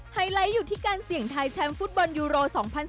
ไฮไลท์อยู่ที่การเสี่ยงทายแชมป์ฟุตบอลยูโร๒๐๑๖